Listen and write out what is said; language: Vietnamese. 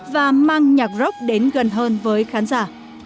và mang nhạc rock đến gần hơn với khán giả